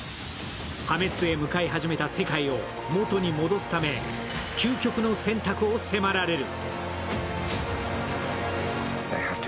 破滅へ向かい始めた世界を元に戻すため究極の選択を迫られる。